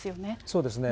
そうですね。